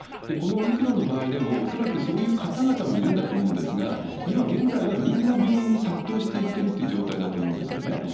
このオミクロンの場合でも恐らくそういう方々もいるんだと思うんですが、今現在はみんな病院に殺到していってるという状態だと思うんですよね。